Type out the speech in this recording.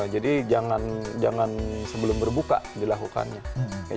jadi jangan sebelum berbuka dilakukannya